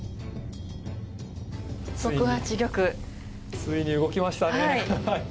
ついに動きましたね。